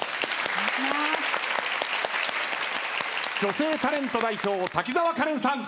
女性タレント代表滝沢カレンさん。